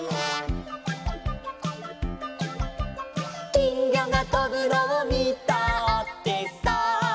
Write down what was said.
「きんぎょがとぶのをみたってさ」